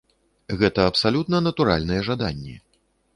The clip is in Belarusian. Гэта абсалютна натуральныя жаданні.